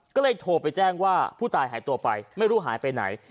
ก็เลยโทรไปแจ้งว่าผู้ตายหายตัวไปไม่รู้หายไปไหน